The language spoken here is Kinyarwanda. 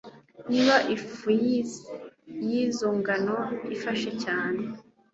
Niba ifu yizo ngano ifashe cyane